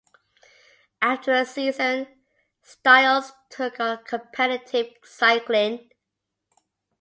After a season, Stiles took on competitive cycling.